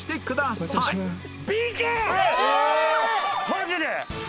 マジで？